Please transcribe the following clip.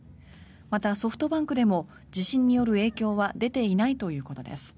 また、ソフトバンクでも地震による影響は出ていないということです。